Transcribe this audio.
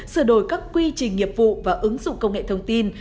sửa đổi các quy trình nghiệp vụ và ứng dụng công nghệ thông tin